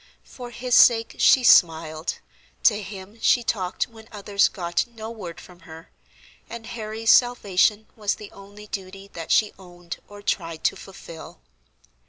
For his sake she smiled, to him she talked when others got no word from her, and Harry's salvation was the only duty that she owned or tried to fulfil.